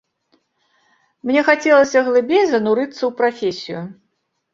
Мне хацелася глыбей занурыцца ў прафесію.